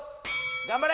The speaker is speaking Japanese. ・頑張れ！